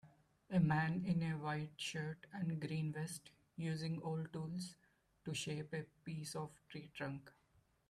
A man in a white shirt and green vest using old tools to shape a piece of tree trunk